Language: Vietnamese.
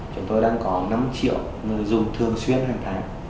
chúng tôi đang có năm triệu người dùng thường xuyên hàng tháng